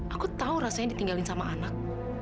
aku tahu rasanya ditinggalin sama anak